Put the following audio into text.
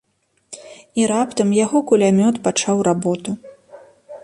І раптам яго кулямёт пачаў работу.